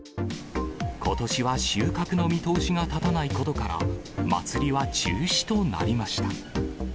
ことしは収穫の見通しが立たないことから、祭りは中止となりました。